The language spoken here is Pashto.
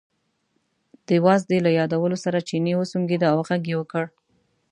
د وازدې له یادولو سره چیني وسونګېده او یې غږ وکړ.